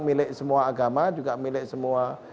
milik semua agama juga milik semua